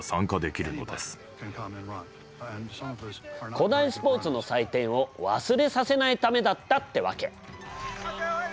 古代スポーツの祭典を忘れさせないためだったってわけ。